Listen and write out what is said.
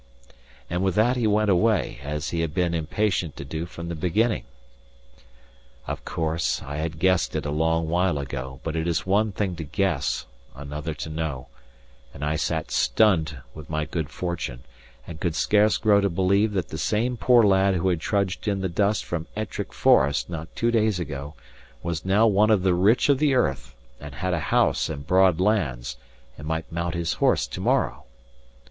And with that he went away, as he had been impatient to do from the beginning. Of course, I had guessed it a long while ago; but it is one thing to guess, another to know; and I sat stunned with my good fortune, and could scarce grow to believe that the same poor lad who had trudged in the dust from Ettrick Forest not two days ago, was now one of the rich of the earth, and had a house and broad lands, and might mount his horse tomorrow.